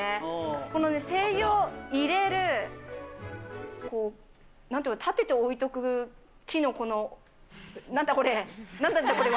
このね、精油を入れる、こう、なんていうか、立てて置いとく、木の、この、なんだこれ？何なんだこれは？